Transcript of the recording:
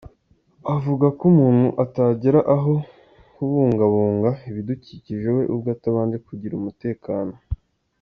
Avuga ko umuntu atagera aho kubungabunga ibidukikije we ubwe atabanje kugira umutekano.